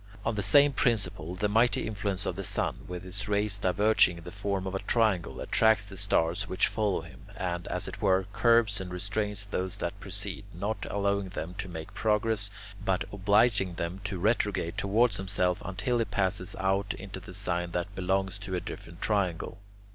On the same principle, the mighty influence of the sun, with his rays diverging in the form of a triangle, attracts the stars which follow him, and, as it were, curbs and restrains those that precede, not allowing them to make progress, but obliging them to retrograde towards himself until he passes out into the sign that belongs to a different triangle.